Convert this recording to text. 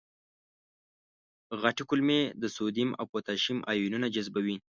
غټې کولمې د سودیم او پتاشیم آیونونه جذبوي.